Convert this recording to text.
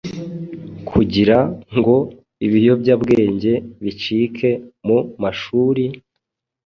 kugira ngo ibiyobyabwenge bicike mu mashuri?